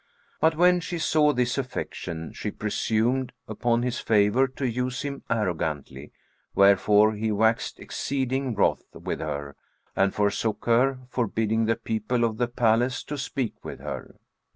But when she saw this affection, she presumed upon his favour to use him arrogantly, wherefore he waxed exceeding wroth with her and forsook her, forbidding the people of the palace to speak with her.